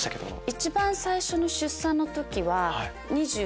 一番最初の出産の時は。